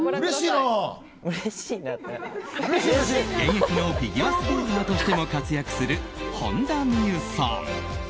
現役のフィギュアスケーターとしても活躍する本田望結さん。